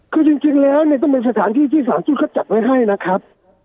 คือจริงแล้วเนี่ยต้องเป็นสถานที่ที่สารชุดเขาจัดไว้ให้นะครับ